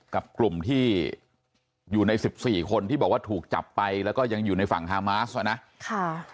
กับกลุ่มที่อยู่ใน๑๔คนที่บอกว่าถูกจับไปแล้วก็ยังอยู่ในฝั่งฮามาสอ่ะนะ